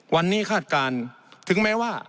วันนี้คาดการณ์ถึงแม้ว่า